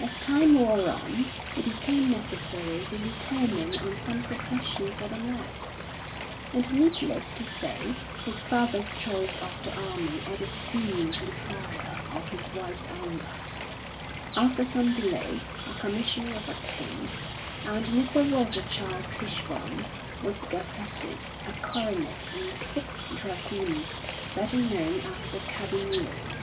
As time wore on it became necessary to determine on some profession for the lad; and needless to say his father's choice of the army added fuel to the fire of his wife's anger. After some delay a commission was obtained and Mr. Roger Charles Tichborne was gazetted a coronet in the Sixth Dragoons, better known as the Carbineers.